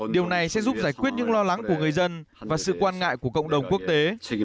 điều này sẽ giúp giải quyết những lo lắng của người dân và sự quan ngại của cộng đồng quốc tế